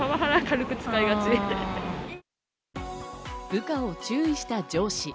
部下を注意した上司。